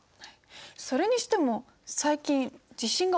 それにしても最近地震が多いですよね。